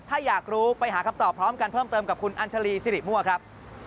ถ้าอยากรู้ไปหาคำตอบพร้อมกันเพิ่มเติมกับคุณอัญชาลีสิริมั่วครับ